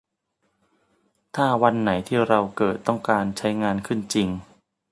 ส่วนถ้าวันไหนที่เราเกิดต้องการใช้งานขึ้นจริง